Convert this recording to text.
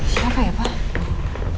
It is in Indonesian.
siapa ya pak